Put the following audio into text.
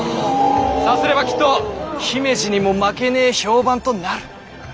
さすればきっと姫路にも負けねぇ評判となる。